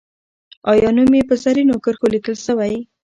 آیا نوم یې په زرینو کرښو لیکل سوی؟